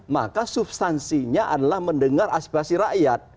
maka substansinya adalah mendengar aspirasi rakyat